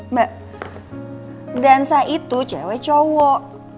mbak dansa itu cewek cewek